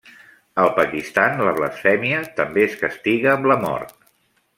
Al Pakistan la blasfèmia també es castiga amb la mort.